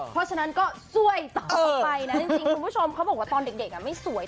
เพราะฉะนั้นก็สวยต่อไปนะจริงคุณผู้ชมเขาบอกว่าตอนเด็กไม่สวย